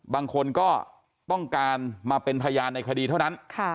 บางคนก็ต้องการมาเป็นพยานในคดีเท่านั้น